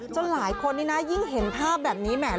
หลายคนนี่นะยิ่งเห็นภาพแบบนี้แหม